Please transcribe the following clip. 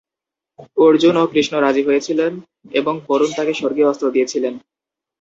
অর্জুন ও কৃষ্ণ রাজি হয়েছিলেন এবং বরুণ তাকে স্বর্গীয় অস্ত্র দিয়েছিলেন।